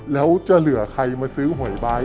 แล้วจะเหลือใครมาซื้อหวยใบ